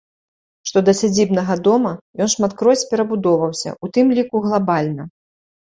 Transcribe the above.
Што да сядзібнага дома, ён шматкроць перабудоўваўся, у тым ліку глабальна.